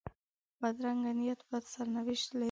بدرنګه نیت بد سرنوشت لري